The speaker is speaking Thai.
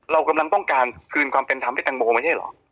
เรากำลังต้องการคืนความเป็นธรรมให้แตงโมไม่ใช่เหรอ